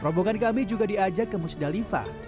rombongan kami juga diajak ke musdalifah